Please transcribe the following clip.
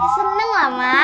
seneng lah mas